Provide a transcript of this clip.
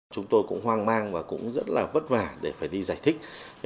chúng tôi cũng hoang mang và cũng rất là vất vả để phải đi giải thích